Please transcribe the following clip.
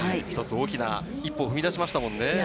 一つ大きな一歩を踏み出しましたもんね。